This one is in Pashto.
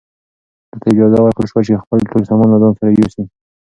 ده ته اجازه ورکړل شوه چې خپل ټول سامان له ځان سره یوسي.